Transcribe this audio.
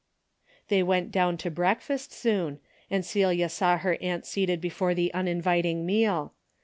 They went down to breakfast soon, and Celia saw her aunt seated before the uninvit ing meal.